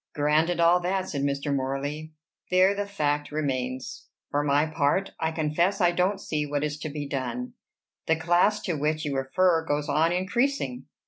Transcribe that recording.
"Granted all that," said Mr. Morley, "there the fact remains. For my part, I confess I don't see what is to be done. The class to which you refer goes on increasing.